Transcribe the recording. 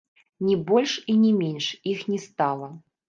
Ні больш і ні менш іх не стала.